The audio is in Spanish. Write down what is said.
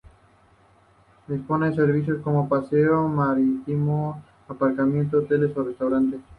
Dispone servicios, como paseo marítimo, aparcamiento, hoteles o restaurantes.